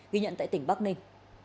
ghi nhận tại tỉnh bắc ninh